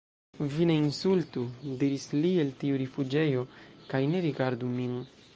"Vi ne insultu," diris li el tiu rifuĝejo, "kaj ne rigardu min."